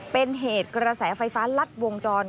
เป็นเหตุกระแสไฟฟ้ารัดวงจร